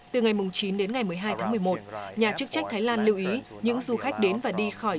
từ ngày chín đến ngày một mươi hai tháng một mươi một nhà chức trách thái lan lưu ý những du khách đến và đi khỏi